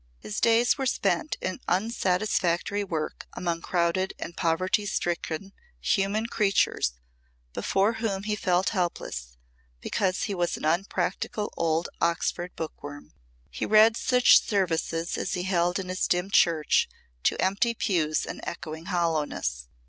His days were spent in unsatisfactory work among crowded and poverty stricken human creatures before whom he felt helpless because he was an unpractical old Oxford bookworm. He read such services as he held in his dim church, to empty pews and echoing hollowness.